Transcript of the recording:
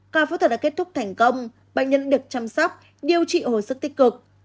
ca phẫu thuật đã kết thúc thành công bệnh nhân được chăm sóc điều trị hồi sức tích cực